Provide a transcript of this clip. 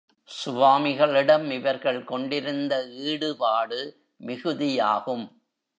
சுவாமிகளிடம் இவர்கள் கொண்டிருந்த ஈடுபாடு மிகுதியாகும்.